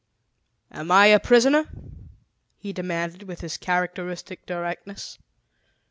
"Am I a prisoner?" he demanded with his characteristic directness.